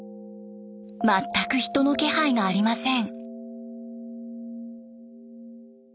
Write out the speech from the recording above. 全く人の気配がありません。